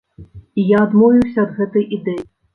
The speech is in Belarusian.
І я адмовіўся ад гэтай ідэі.